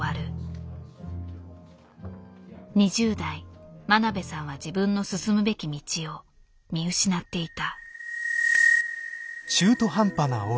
２０代真鍋さんは自分の進むべき道を見失っていた。